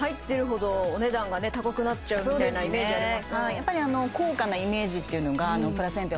やっぱり高価なイメージっていうのがプラセンタ